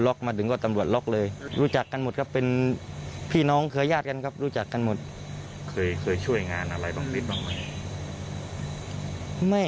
โดนตำรวจสองโดนอะไร